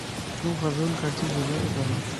تون فضول خرچي ڇيلا تو ڪرين؟